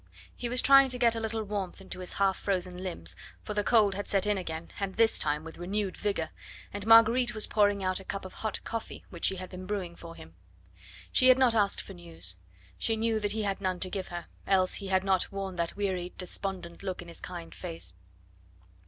He was trying to get a little warmth into his half frozen limbs, for the cold had set in again, and this time with renewed vigour, and Marguerite was pouring out a cup of hot coffee which she had been brewing for him. She had not asked for news. She knew that he had none to give her, else he had not worn that wearied, despondent look in his kind face.